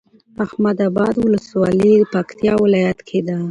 احمداباد ولسوالي پکتيا ولايت کي ده